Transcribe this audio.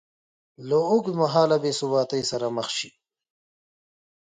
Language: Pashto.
له اوږدمهاله بېثباتۍ سره مخ شي